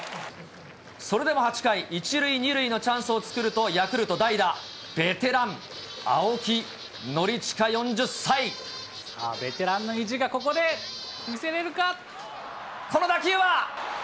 それでも８回、１塁２塁のチャンスを作ると、ヤクルト代打、ベテラン、さあ、ベテランの意地がこここの打球は。